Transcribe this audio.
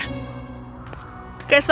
kita harus menyingkirkannya